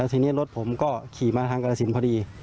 ทีนี้รถผมก็ขี่มาทางกรสินพอดี